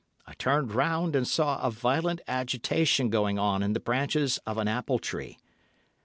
I turned round and saw a violent agitation going on in the branches of an apple tree.